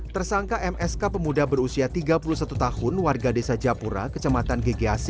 tersangka msk pemuda berusia tiga puluh satu tahun warga desa japura kecamatan gegasi